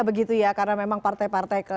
begitu ya karena memang partai partai